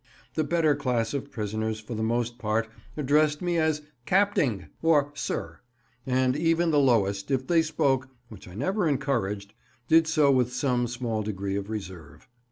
The better class of prisoners for the most part addressed me as "Capting," or "Sir"; and even the lowest, if they spoke—which I never encouraged—did so with some small degree of reserve.